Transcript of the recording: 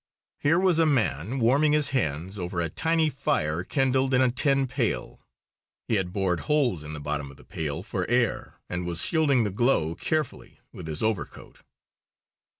Here was a man warming his hands over a tiny fire kindled in a tin pail. He had bored holes in the bottom of the pail for air, and was shielding the glow carefully with his overcoat.